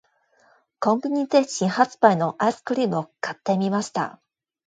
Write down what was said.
•コンビニで新発売のアイスクリームを買ってみました。